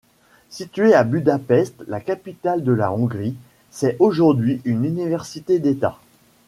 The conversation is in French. Située à Budapest, la capitale de la Hongrie, c'est aujourd'hui une université d'État.